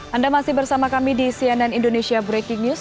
anda masih bersama kami di cnn indonesia breaking news